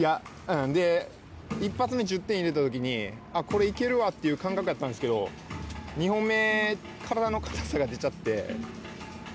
１発目、１０点入れたときに、これ行けるわっていう感覚だったんですけど、２本目、体の硬さが出ちゃって。